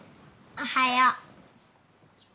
おはよう。